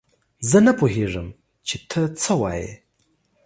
زه نه پوهېږم چې تۀ څۀ وايي.